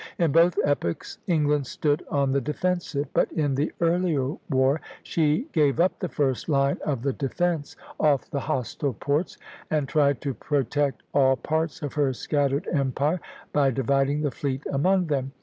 In both epochs England stood on the defensive; but in the earlier war she gave up the first line of the defence, off the hostile ports, and tried to protect all parts of her scattered empire by dividing the fleet among them.